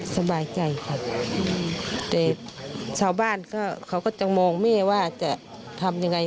สบายใจครับแต่ชาวบ้านก็เขาก็จะมองแม่ว่าจะทำยังไง